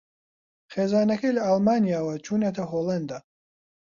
خێزانەکەی لە ئەڵمانیاوە چوونەتە ھۆڵەندا